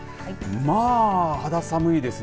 まあ肌寒いですね。